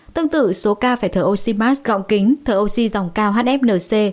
tương tự số ca phải thở oxy mask gọn kính thở oxy dòng cao hfnc